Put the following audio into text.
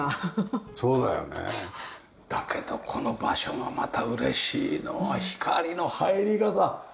そうだよね。だけどこの場所がまた嬉しいのは光の入り方。